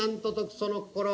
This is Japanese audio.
「その心は？」。